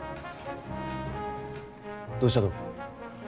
どうしたと？